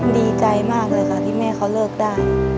ดีใจมากเลยค่ะที่แม่เขาเลิกได้